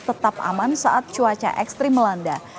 tetap aman saat cuaca ekstrim melanda